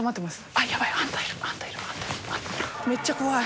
めっちゃ怖い。